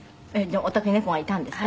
お宅に猫がいたんですか？